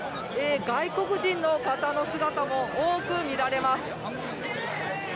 外国人の人の姿も多く見られます。